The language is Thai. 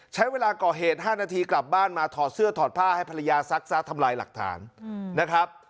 ใช้เวลาก่อเหตุ๕นาทีกลับบ้านมาถอดเสื้อถอดผ้าให้ภรรยาซักซะทำลายหลักฐานนะครับ